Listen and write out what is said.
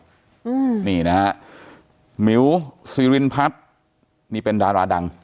อืมนี่นะฮะหมิวซีรินพัฒน์นี่เป็นดาราดัง